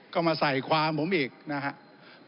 ก็มาใส่ความผมอีกนะครับ